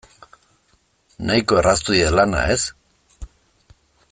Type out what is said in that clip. Nahiko erraztu diet lana, ez?